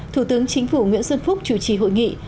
thủ tướng chính phủ nguyễn xuân phúc chủ trì hội nghị